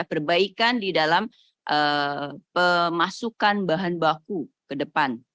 perbaikan di dalam pemasukan bahan baku ke depan